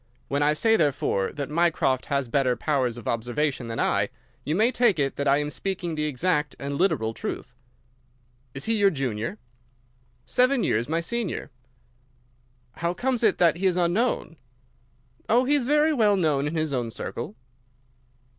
When I say, therefore, that Mycroft has better powers of observation than I, you may take it that I am speaking the exact and literal truth." "Is he your junior?" "Seven years my senior." "How comes it that he is unknown?" "Oh, he is very well known in his own circle."